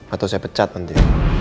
atau saya pecat nanti